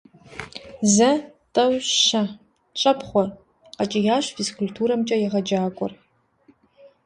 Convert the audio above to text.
Зэ, тӏэу, щэ, щӏэпхъуэ! - къэкӏиящ физкультурэмкӏэ егъэджакӏуэр.